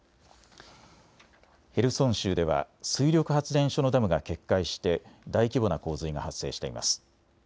ヘルソン州では水力発電所のダムが決壊して大規模な洪水が発生しています。